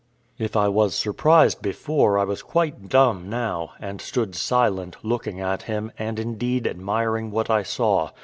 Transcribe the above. If I was surprised before, I was quite dumb now, and stood silent, looking at him, and, indeed, admiring what I saw.